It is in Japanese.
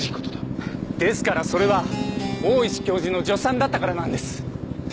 ですからそれは大石教授の助手さんだったからなんです。